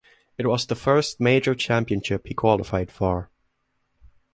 It was the first major championship he qualified for.